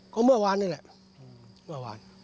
ก็เมื่อวานนี่แหละเมื่อวาน